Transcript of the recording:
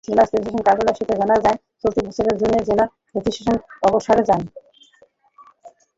জেলা রেজিস্ট্রারের কার্যালয় সূত্রে জানা যায়, চলতি বছরের জুনে জেলা রেজিস্ট্রার অবসরে যান।